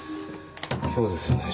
今日ですよね